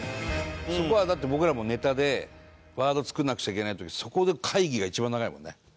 そこはだって僕らもネタでワード作らなくちゃいけない時そこの会議が一番長いもんね。